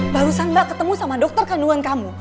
barusan mbak ketemu sama dokter kandungan kamu